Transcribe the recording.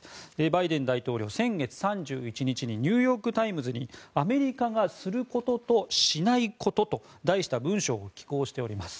バイデン大統領、先月３１日にニューヨーク・タイムズにアメリカがすることとしないことと題した文章を寄稿しています。